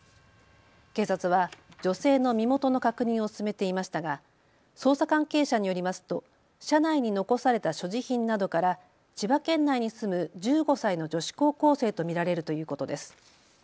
警察は女性の身元の確認を進めていましたが捜査関係者によりますと車内に残された所持品などから千葉県内に住む１５歳の女子高校生と見られるということです。